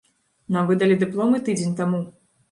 Нам выдалі дыпломы тыдзень таму.